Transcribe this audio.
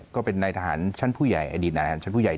ก็เป็นในทหารชั้นผู้ใหญ่อดิษณ์ในนายทางชั้นผู้ใหญ่